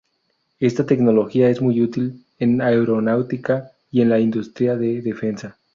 Esta tecnología es muy útil en aeronáutica y en la industria de defensa.